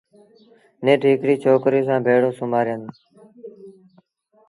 نيٺ هڪڙيٚ ڇوڪريٚ سآݩ ڀيڙو سُومآريآݩدون۔